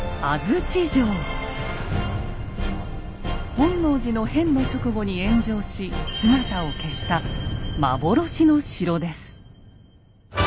「本能寺の変」の直後に炎上し姿を消した幻の城です。